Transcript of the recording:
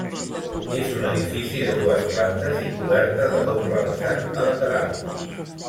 És un edifici de dues plantes i coberta de doble vessant a laterals.